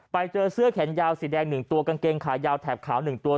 ไปเจอเสื้อแขนยาวสีแดง๑ตัวกางเกงขายาวแถบขาว๑ตัว